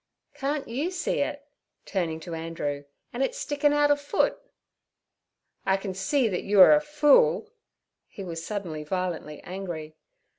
'Can't you see it' turning to Andrew, 'and it stickin' out a foot?' 'I can see that you are a fool.' He was suddenly violently angry.